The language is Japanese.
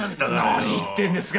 何言ってんですか。